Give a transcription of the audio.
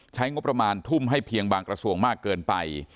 ใช้งบประมาณทุ่มให้เพียงบางกระทรวงมากเกินไป